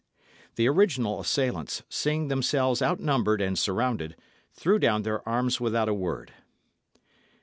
The original assailants; seeing themselves outnumbered and surrounded, threw down their arms without a word.